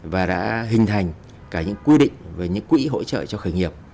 và đã hình thành cả những quy định về những quỹ hỗ trợ cho khởi nghiệp